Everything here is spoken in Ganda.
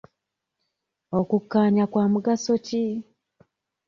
Okukkanya kwa mugaso ki?